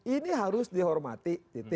ini harus dihormati